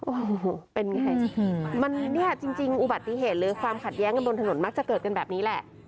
โอ้โหเป็นไงมันเนี่ยจริงอุบัติเหตุหรือความขัดแย้งกันบนถนนมักจะเกิดกันแบบนี้แหละ